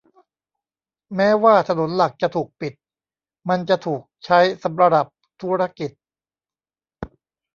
แม้ว่าถนนหลักจะถูกปิด มันจะถูกใช้สำหรับธุรกิจ